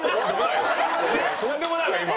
いやとんでもないわ今。